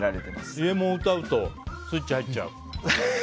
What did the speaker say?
イエモンを歌うとスイッチ入っちゃう？